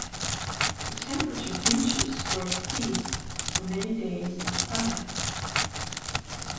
The temperature reaches or exceeds for many days in the summer.